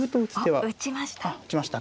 おっ打ちました。